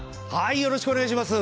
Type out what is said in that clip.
よろしくお願いします。